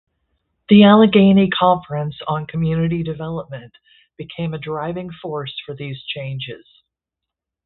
The Allegheny Conference on Community Development became a driving force for these changes.